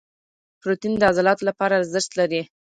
پروټین د عضلاتو لپاره څه ارزښت لري؟